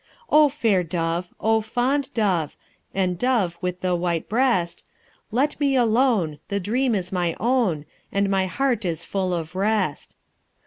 O fair dove! O fond dove! And dove with the white breast, Let me alone, the dream is my own, And my heart is full of rest.